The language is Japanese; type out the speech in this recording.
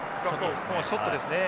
ショットですね。